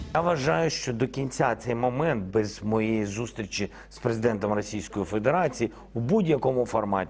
saya rasa bahwa sampai akhirnya saat ini tanpa ketemu dengan presiden rusia saya akan mengulangnya dalam segala format